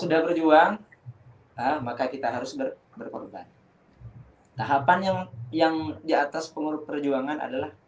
adalah perjuangan yang di atas pengurus perjuangan adalah perjuangan yang di atas pengurus perjuangan adalah